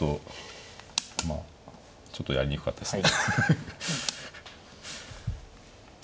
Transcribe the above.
まあちょっとやりにくかったですね。